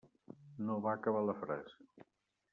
No va acabar la frase.